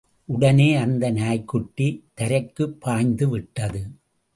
உடனே அந்த நாய்க்குட்டி தரைக்குப் பாய்ந்து விட்டது.